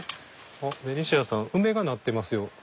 あっベニシアさんウメがなってますよ